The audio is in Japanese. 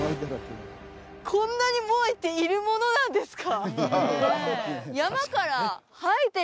こんなにモアイっているものなんですか？